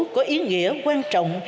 có ý nghĩa quan trọng